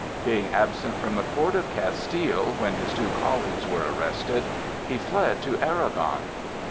Being absent from the court of Castile when his two colleagues were arrested, he fled to Aragon.